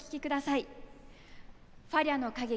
ファリャの歌劇